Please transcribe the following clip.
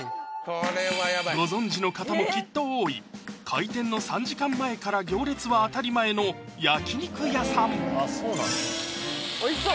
ご存じの方もきっと多い開店の３時間前から行列は当たり前の焼き肉屋さん美味しそう！